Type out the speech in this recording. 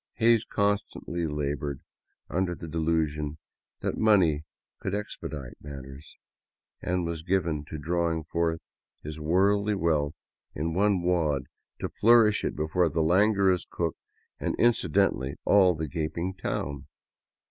Hays constantly labored under the delusion that money could expedite matters, and was given to drawing forth his worldly wealth in one wad to flourish it before the languorous cook and, incidentally, all the gaping town.